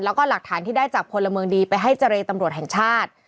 แล้วก็หลักฐานที่ได้จากพลเมืองดีไปให้เจรตำรวจแห่งชาติ